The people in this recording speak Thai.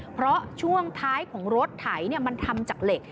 เพราะช่วงท้ายของรถไถมันทำจากเหล็ก